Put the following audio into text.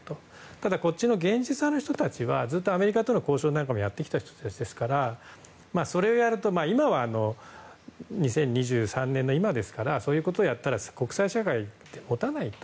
ただ、現実派の人たちはずっとアメリカとの交渉をやってきた人たちですからそれをやると今は２０２３年の今ですからそういうことをやったら国際社会で、もたないと。